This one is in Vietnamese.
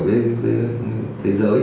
với thế giới